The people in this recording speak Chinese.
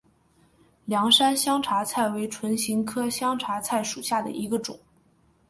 凉山香茶菜为唇形科香茶菜属下的一个种。